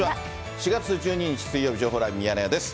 ４月１２日水曜日、情報ライブミヤネ屋です。